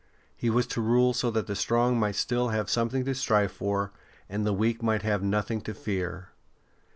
He was to rule so that the strong might still have something to strive for, and the weak might have nothing to fear.